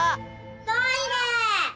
トイレ！